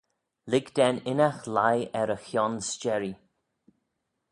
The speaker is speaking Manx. Lhig da'n innagh lhie er y chione s'jerree